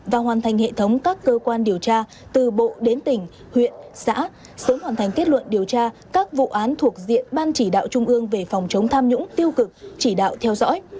và hoàn thành hệ thống các cơ quan điều tra từ bộ đến tỉnh huyện xã sớm hoàn thành kết luận điều tra các vụ án thuộc diện ban chỉ đạo trung ương về phòng chống tham nhũng tiêu cực chỉ đạo theo dõi